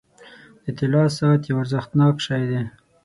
• د طلا ساعت یو ارزښتناک شی دی.